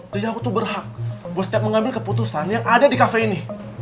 jadi aku tuh berhak buat setiap mengambil keputusan yang ada di cafe ini